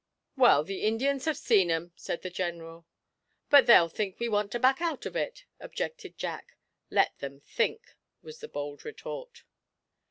'Well, the Indians have seen 'em,' said the General. 'But they'll think we want to back out of it,' objected Jack. 'Let them think!' was the bold retort.